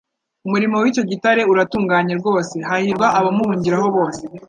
"Umurimo w'icyo gitare uratunganye rwose," hahirwa abamuhungiraho bose''-.